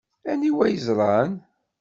Aniwa yeẓran?